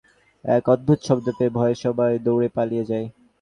সেই গুহার কাছাকাছি যেতেই তারা এক অদ্ভুত শব্দ পেয়ে ভয়ে সবাই দৌড়িয়ে পালিয়ে যায়।